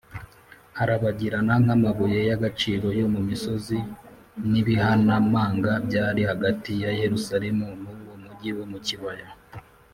harabagiranaga nk’amabuye y’agaciro yo mu misozi n’ibihanamanga byari hagati ya yerusalemu n’uwo mugi wo mu kibaya